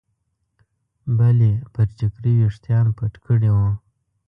بلې پر ټیکري ویښتان پټ کړي وو.